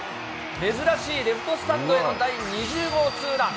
珍しいレフトスタンドへの第２０号ツーラン。